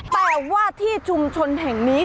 แต่ว่าที่ชุมชนแห่งนี้